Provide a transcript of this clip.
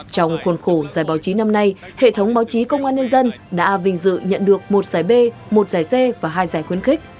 trong khuôn khổ giải báo chí năm nay hệ thống báo chí công an nhân dân đã vinh dự nhận được một giải b một giải c và hai giải khuyến khích